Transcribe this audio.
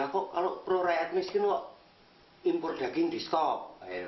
kalau pro rakyat miskin impor daging di stop